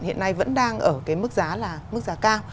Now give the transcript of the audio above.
hiện nay vẫn đang ở cái mức giá là mức giá cao